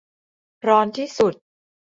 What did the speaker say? ร้อนที่สุด